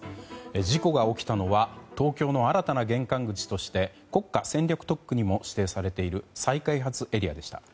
事故が起きたのは東京の新たな玄関口として国家戦略特区にも指定されている再開発エリアでした。